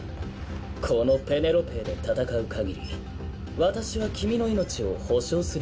このペーネロペーで戦うかぎり私は君の命を保証するよ。